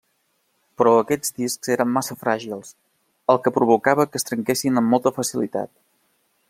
Però aquests discs eren massa fràgils, el que provocava que es trenquessin amb molta facilitat.